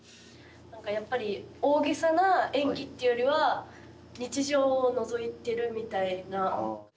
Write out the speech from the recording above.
やっぱり大げさな演技っていうよりは日常をのぞいてるみたいな。